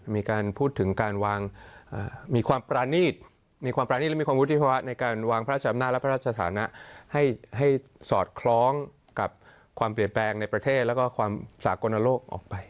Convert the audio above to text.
มีการพูดถึงการวางมีความปรานีตมีความปรานีตและมีความวุฒิภาวะในการวางพระราชอำนาจและพระราชฐานะให้สอดคล้องกับความเปลี่ยนแปลงในประเทศแล้วก็ความสากลโลกออกไป